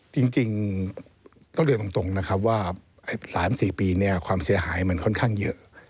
จริงต้องเรียนตรงว่า๓๔ปีความเสียหายมันค่อนข้างเยอะ